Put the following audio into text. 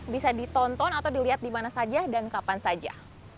bisa ditonton atau dilihat di mana saja dan kapan saja